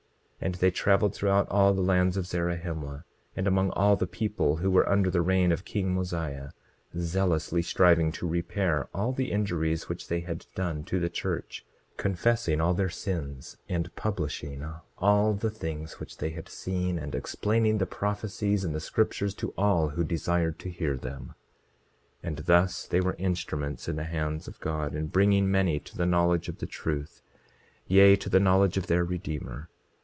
27:35 And they traveled throughout all the lands of Zarahemla, and among all the people who were under the reign of king Mosiah, zealously striving to repair all the injuries which they had done to the church, confessing all their sins, and publishing all the things which they had seen, and explaining the prophecies and the scriptures to all who desired to hear them. 27:36 And thus they were instruments in the hands of God in bringing many to the knowledge of the truth, yea, to the knowledge of their Redeemer.